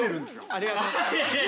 ◆ありがとうございます。